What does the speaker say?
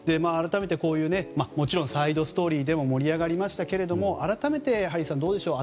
もちろんサイドストーリーでも盛り上がりましたけども、改めてハリーさんどうでしょう。